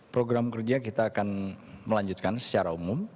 program kerja kita akan melanjutkan secara umum